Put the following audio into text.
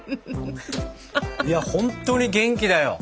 いやほんとに元気だよ。